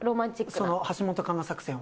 その橋本環奈作戦を。